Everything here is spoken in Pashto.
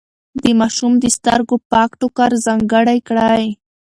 د ماشوم د سترګو پاک ټوکر ځانګړی کړئ.